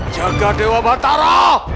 jaga dewa batara